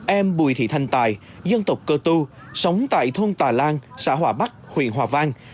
em bùi thị thanh tài dân tộc cơ tu sống tại thôn tà lan xã hòa bắc huyện hòa vang